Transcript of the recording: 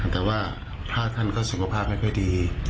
แต่ว่าพระท่านก็สุขภาพไม่ค่อยดี